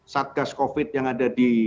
satgas covid yang ada di